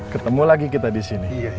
ketemu lagi kita di sini